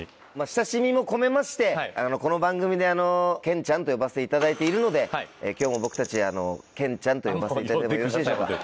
親しみも込めましてこの番組で「ケンちゃん」と呼ばせていただいているので今日も僕たち「ケンちゃん」と呼ばせていただいても？